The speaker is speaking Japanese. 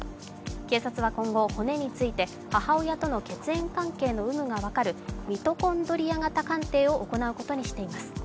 警察は今後、骨について母親との血縁関係の有無が分かるミトコンドリア型鑑定を行うことにしています。